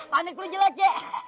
panik lo jelat ya